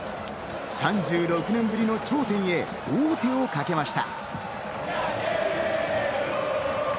３６年ぶりの頂点へ、王手をかけました。